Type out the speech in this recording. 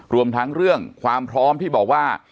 รวมทั้งเรื่องความพร้อมที่บอกว่า